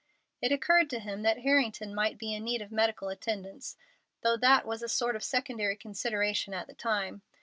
It occurred to him that Harrington might be in need of medical attendance, though that was a sort of secondary consideration at the time.